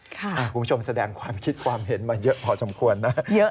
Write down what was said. คุณผู้ชมแสดงความคิดความเห็นมาเยอะพอสมควรนะ